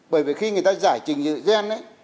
bởi vì khi người ta giải trình dự gen ấy